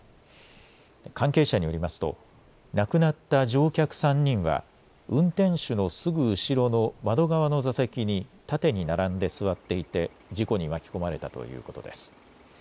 関係者によりますと亡くなった乗客３人は運転手のすぐ後ろの窓側の座席に縦に並んで座っていて事故に巻き込まれたということです。